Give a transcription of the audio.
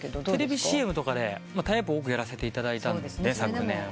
テレビＣＭとかでタイアップ多くやらせていただいたんで昨年。